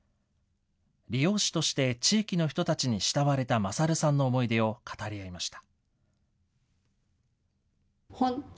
理容師として地域の人たちに慕われた勝さんの思い出を語り合いました。